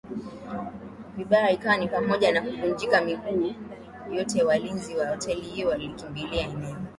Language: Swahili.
vibaya ikiwa ni pamoja na kuvunjika miguu yote Walinzi wa hoteli hiyo walikimbilia eneo